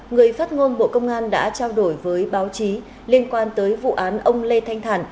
người phát ngôn bộ công an đã trao đổi với báo chí liên quan tới vụ án ông lê thanh thản